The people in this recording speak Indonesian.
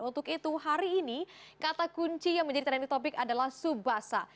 untuk itu hari ini kata kunci yang menjadi tanda topik adalah tsubasa